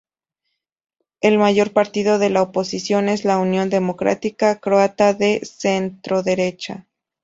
El mayor partido de la oposición es la Unión Democrática Croata de centroderecha.